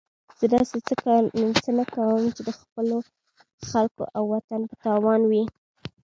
زه داسې څه نه کوم چې د خپلو خلکو او وطن په تاوان وي.